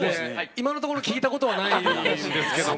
今のところ聞いたことはないですけども。